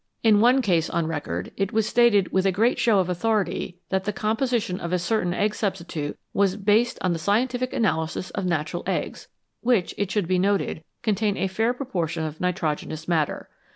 In one case 267 THE ADULTERATION OF FOOD on record it was stated with a great show of authority that the composition of a certain egg substitute was " based on the scientific analysis of natural eggs," which, it should be noted, contain a fair proportion of nitro genous matter.